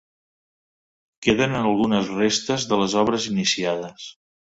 Queden algunes restes de les obres iniciades.